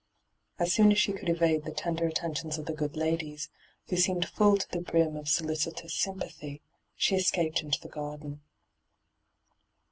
As soon as she oould evade the tender attentions of tiie good ladies, who seemed full to the brim of soUcitons sympathy, she escaped into the garden.